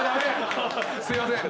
すいません。